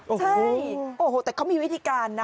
ใช่โอ้โหแต่เขามีวิธีการนะ